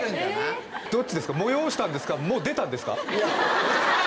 どっちですかもよおしたんですかもう出たんですか？